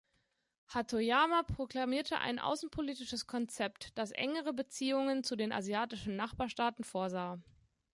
Hatoyama proklamierte ein außenpolitisches Konzept, das engere Beziehungen zu den asiatischen Nachbarstaaten vorsah.